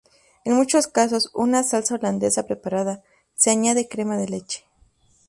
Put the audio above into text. En muchos casos una salsa holandesa preparada, se añade crema de leche.